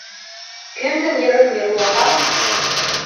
Кемдең йырын йырлаһаң